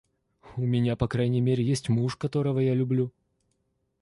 У меня по крайней мере есть муж, которого я люблю.